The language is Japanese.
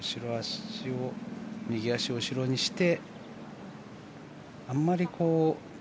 右足を後ろにして。